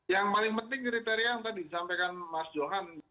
yang paling penting kriteria yang tadi disampaikan mas johan